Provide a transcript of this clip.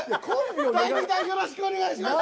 第２弾、よろしくお願いします！